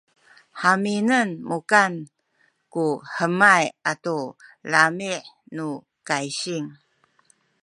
haminen mukan ku hemay atu lami’ nu kaysing